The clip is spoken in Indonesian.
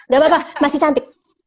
gak apa apa masih cantik